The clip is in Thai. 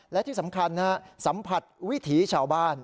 และที่สำคัญสัมผัสวิถีชาวบ้าน